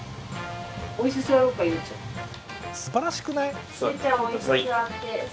すばらしくない？